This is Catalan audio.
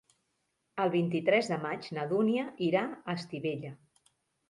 El vint-i-tres de maig na Dúnia irà a Estivella.